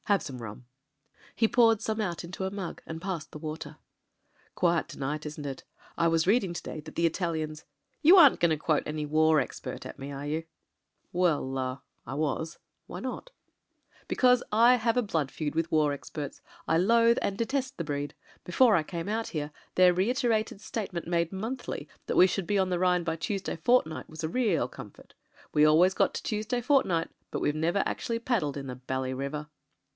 "Have some rum." He poured some out into a mug and passed the water. "Quiet to night — isn't it? I was reading to day that the Italians " "You aren't going to quote any war expert at me, are you?" 278 • MEN, WOMEN AND GUNS Well — er — I was : why not ?*' Because I have a blood feud with war experts. I loathe and detest the breed. Before I came out here their reiterated statement made monthly that we should be on the Rhine by Tuesday fortnight was a real com fort. We always got to Tuesday fortnight — but we've never actually paddled in the bally river."